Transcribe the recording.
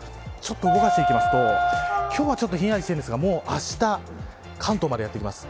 動かしていきますと今日はひんやりしているんですがあした、関東までやってきます。